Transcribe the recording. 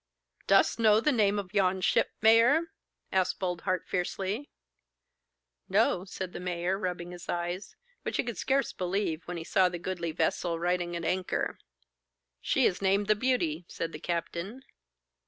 'Dost know the name of yon ship, mayor?' asked Boldheart fiercely. 'No,' said the mayor, rubbing his eyes, which he could scarce believe, when he saw the goodly vessel riding at anchor. 'She is named "The Beauty,"' said the captain.